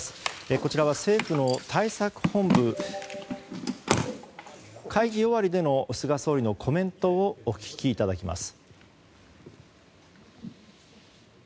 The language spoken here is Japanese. こちらは政府の対策本部会議終わりでの菅総理のコメントをお聞きいただきます。